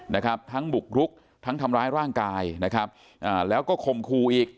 นะครับทั้งบุกรุกทั้งทำร้ายร่างกายนะครับอ่าแล้วก็คมคู่อีก